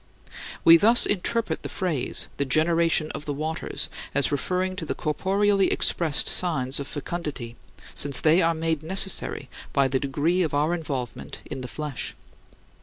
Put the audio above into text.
We thus interpret the phrase, "The generation of the waters," as referring to the corporeally expressed signs [of fecundity], since they are made necessary by the degree of our involvement in the flesh.